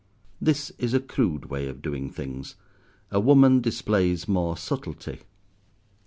This is a crude way of doing things, a woman displays more subtlety.